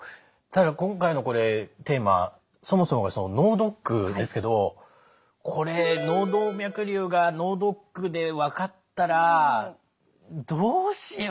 ただ今回のテーマそもそもが脳ドックですけどこれ脳動脈瘤が脳ドックで分かったらどうしよう？